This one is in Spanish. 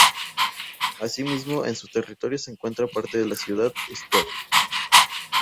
Asimismo, en su territorio se encuentra parte de una ciudad, Stuart.